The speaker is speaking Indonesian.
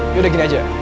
yaudah gini aja